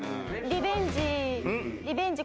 リベンジ？